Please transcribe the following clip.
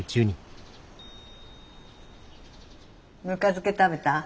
ぬか漬け食べた？